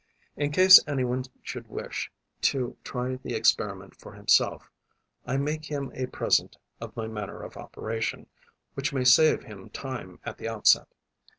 In case any one should wish to try the experiment for himself, I make him a present of my manner of operation, which may save him time at the outset.